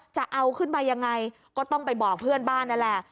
จะเอาขึ้นมายังไงก็ต้องไปบอกเพื่อนบ้านนั่นแหละ